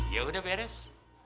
ya udah beres